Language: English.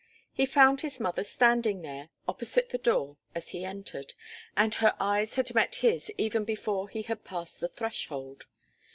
He found his mother standing there, opposite the door, as he entered, and her eyes had met his even before he had passed the threshold.